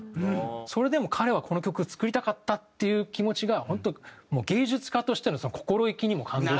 それでも彼はこの曲を作りたかったっていう気持ちが本当芸術家としての心意気にも感動したし。